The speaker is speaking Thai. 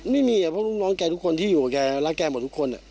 ไม่มีเพราะลูกน้องแกทุกคนที่อยู่กับแกรักแกหมดทุกคน